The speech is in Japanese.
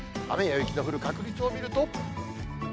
雨や雪の降る確率を見ると。